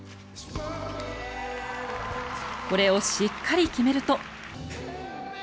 これをしっかり決めると。